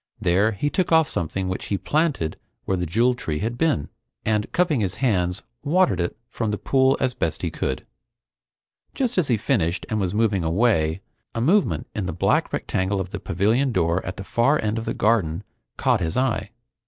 There, he took off something which he planted where the Jewel Tree had been, and cupping his hands, watered it from the pool as best he could. Just as he finished and was moving away, a movement in the black rectangle of the pavilion door at the far end of the garden caught his eye.